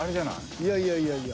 いやいやいやいや。